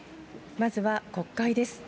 まずは国会です。